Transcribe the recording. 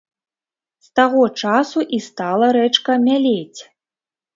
З таго часу і стала рэчка мялець.